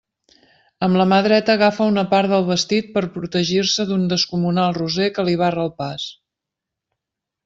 Amb la mà dreta agafa una part del vestit per a protegir-se d'un descomunal roser que li barra el pas.